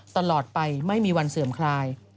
ตลอดไปไม่มีวันเสื่อมคลาย